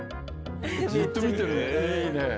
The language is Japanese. じっと見てるのいいね。